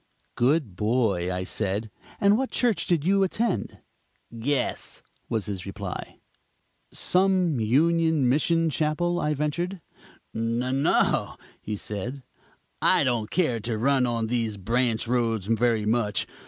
"Good boy," I said, "and what church did you attend?" "Guess," was his reply. "Some Union Mission chapel?" I ventured. "N no," he said, "I don't care to run on these branch roads very much.